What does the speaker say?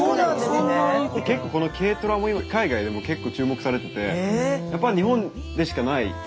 結構この軽トラも今海外でも注目されててやっぱ日本でしかない造られない。